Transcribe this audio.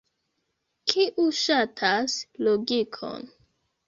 kiu ŝatas logikon